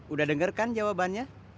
udah denger kan jawabannya